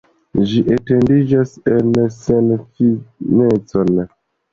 Ĝi etendiĝas en senfinecon.